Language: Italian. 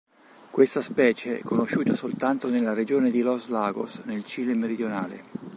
Questa specie è conosciuta soltanto nella Regione di Los Lagos, nel Cile meridionale.